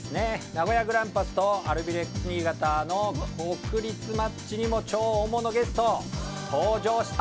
名古屋グランパスとアルビレックス新潟の国立マッチにも超大物ゲスト登場したんです。